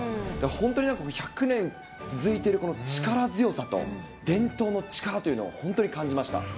本当になんか１００年続いている力強さと伝統の力というのを本当に感じました。